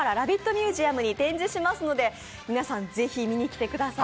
ミュージアムに展示しますので皆さん、是非見に来てください！